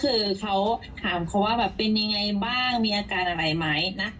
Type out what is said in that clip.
คือเขาถามเขาว่าแบบเป็นยังไงบ้างมีอาการอะไรไหมนะ